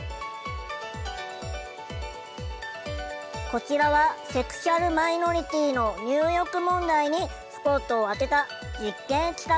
こちらはセクシュアルマイノリティーの入浴問題にスポットを当てた実験企画。